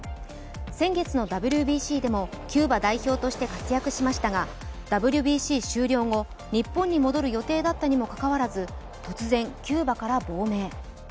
先月のＷＢＣでもキューバ代表として活躍しましたがＷＢＣ終了後、日本に戻る予定だったにもかかわらず突然キューバから亡命。